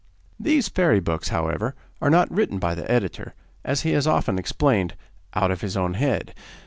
These Fairy Books, however, are not written by the Editor, as he has often explained, 'out of his own head.